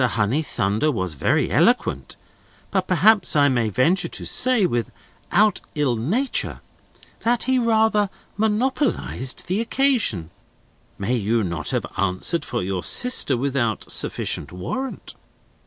Honeythunder was very eloquent; but perhaps I may venture to say, without ill nature, that he rather monopolised the occasion. May you not have answered for your sister without sufficient warrant?"